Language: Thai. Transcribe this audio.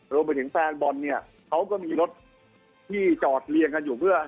รวมไปถึงแฟนบอลเนี่ยเขาก็มีรถที่จอดเรียงกันอยู่เพื่อ